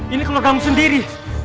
ini keluarga mu sendiri